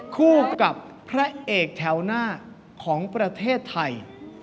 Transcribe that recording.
คู่กับพระเอกแถวหน้าของประเทศไทย